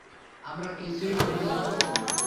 আমরা কিছুই করিনি।